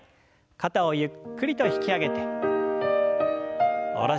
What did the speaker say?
肩をゆっくりと引き上げて下ろして。